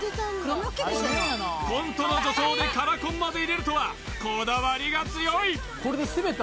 コントの女装でカラコンまで入れるとはこだわりが強い！